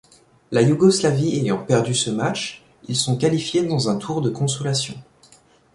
La Yougoslavie ayant perdu ce match, ils sont qualifiés dans un tour de consolation.